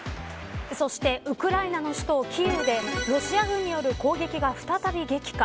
そしてウクライナの首都キーウでロシア軍による攻撃が再び激化。